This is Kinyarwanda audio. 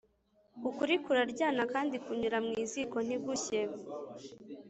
Ukuri kuraryana kandi kunyura mwiziko ntigushye